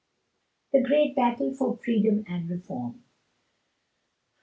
THE GREAT BATTLE FOR FREEDOM AND REFORM.